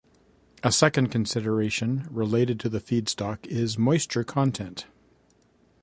A second consideration related to the feedstock is moisture content.